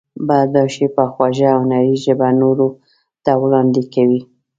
برداشت یې په خوږه هنري ژبه نورو ته وړاندې کوي.